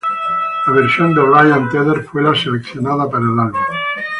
La versión de Ryan Tedder fue la seleccionada para el álbum.